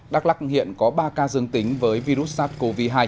đắk lắc hiện có ba ca dương tính với virus sars cov hai